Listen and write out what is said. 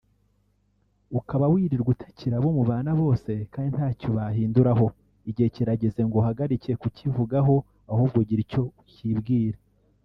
ukaba wirirwa utakira abo mubana bose kandi ntacyo bahinduraho igihe kirageze ngo uhagarike kukivugaho ahubwo ugire icyo ukibwira